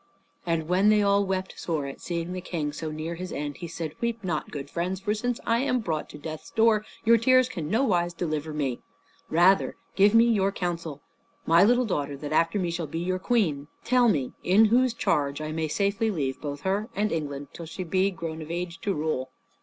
And when they all wept sore at seeing the King so near his end, he said, "Weep not, good friends, for since I am brought to death's door your tears can in nowise deliver me; but rather give me your counsel. My little daughter that after me shall be your queen; tell me in whose charge I may safely leave both her and England till she be grown of age to rule?"